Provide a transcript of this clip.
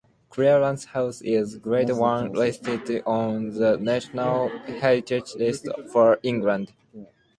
Clarence House is Grade One listed on the National Heritage List for England.